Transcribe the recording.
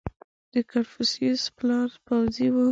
• د کنفوسیوس پلار پوځي و.